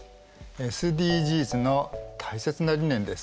ＳＤＧｓの大切な理念です。